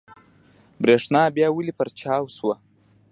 برېښنا بيا ولې پرچاو شوه؟